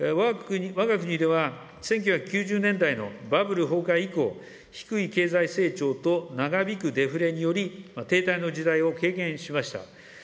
わが国では、１９９０年代のバブル崩壊以降、低い経済成長と長引くデフレにより、停滞の時代を経験しました。